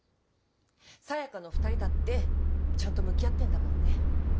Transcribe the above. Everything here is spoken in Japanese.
さや香の２人だってちゃんと向き合ってんだもんね。